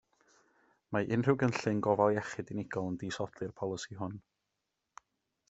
Mae unrhyw gynllun gofal iechyd unigol yn disodli'r polisi hwn.